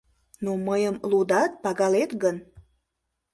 Но мыйым лудат, пагалет гын